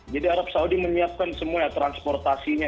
jadi arab saudi menyiapkan semua ya transportasinya